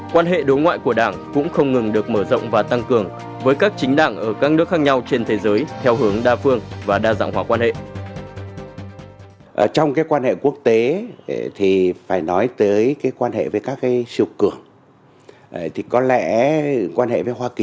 quan hệ đối ngoại của đảng cũng không ngừng được mở rộng và tăng cường với các chính đảng ở các nước khác nhau trên thế giới theo hướng đa phương và đa dạng hóa quan hệ